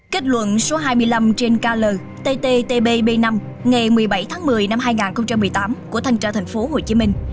kết luận số hai mươi năm trên kl tt tb b năm ngày một mươi bảy tháng một mươi năm hai nghìn một mươi tám của thành trang thành phố hồ chí minh